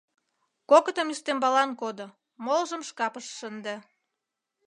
— Кокытым ӱстембалан кодо, молыжым шкапыш шынде.